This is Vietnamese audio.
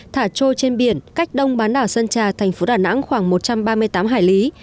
thả trôi trên biển cách đông bán đảo sơn trà thành phố đà nẵng khoảng một trăm ba mươi tám hải lý